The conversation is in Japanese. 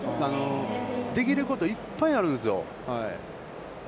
できることいっぱいあるんですよ。